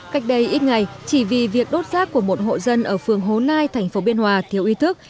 cách đây ít ngày chỉ vì việc đốt rác của một hộ dân ở phường hố nai thành phố biên hòa thiếu ý thức